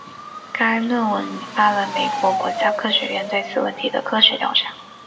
该论文引发了美国国家科学院对此问题的科学调查。